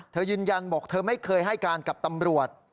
ยืนยันบอกเธอไม่เคยให้การกับตำรวจ